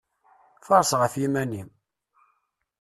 Faṛeṣ ɣef yiman-im!